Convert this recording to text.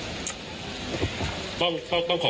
คุณผู้ชมไปฟังผู้ว่ารัฐกาลจังหวัดเชียงรายแถลงตอนนี้ค่ะ